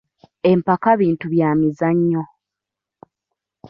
Empaka bintu bya byamizannyo.